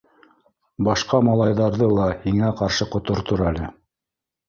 Башҡа малайҙарҙы ла һиңә ҡаршы ҡотортор әле.